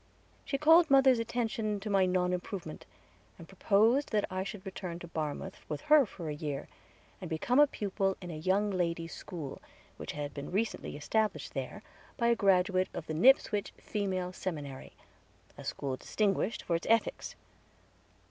She called mother's attention to my non improvement, and proposed that I should return to Barmouth with her for a year, and become a pupil in a young lady's school, which had been recently established there, by a graduate of the Nipswich Female Seminary, a school distinguished for its ethics.